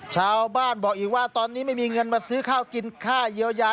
ชาวบ้านบอกอีกว่าตอนนี้ไม่มีเงินมาซื้อข้าวกินค่าเยียวยา